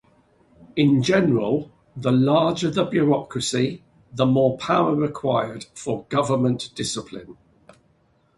In general, the larger the bureaucracy, the more power required for government discipline.